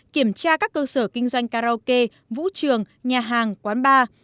kiểm tra các cơ sở kinh doanh karaoke vũ trường nhà hàng quán bar